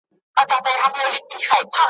د رقیب دي زړه را سوړ کی زړه دي وچوه اسمانه `